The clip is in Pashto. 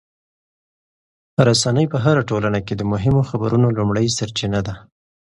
رسنۍ په هره ټولنه کې د مهمو خبرونو لومړنۍ سرچینه ده.